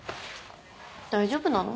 大丈夫なの？